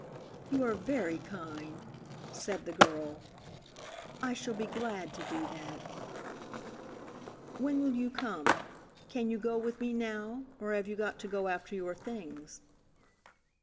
"You are very kind," said the girl. "I shall be glad to do that." "When will you come? Can you go with me now, or have you got to go after your things?"